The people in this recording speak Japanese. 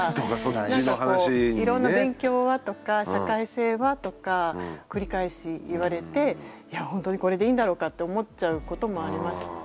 「いろんな勉強は？」とか「社会性は？」とか繰り返し言われて「いやほんとにこれでいいんだろうか」って思っちゃうこともありましたね。